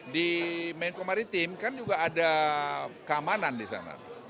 di kemenko kemaritiman kan juga ada keamanan di sana